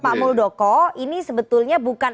pak muldoko ini sebetulnya bukan